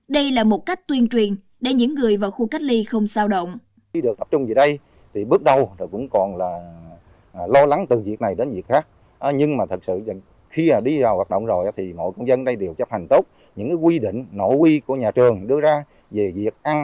đây là một cách tuyên truyền để những người vào khu cách ly không sao động